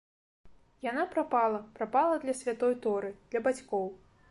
Яна прапала, прапала для святой торы, для бацькоў.